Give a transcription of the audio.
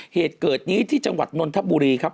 เหตุเกิดนี้ที่จังหวัดนนทบุรีครับ